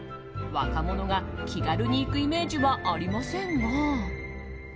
若者が気軽に行くイメージはありませんが。